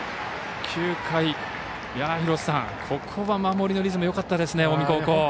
９回、ここは守りのリズムよかったですね、近江高校。